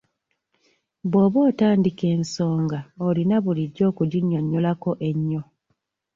Bw'oba otandika ensonga olina bulijjo okuginnyonnyolako ennyo.